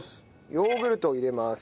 ヨーグルトを入れます。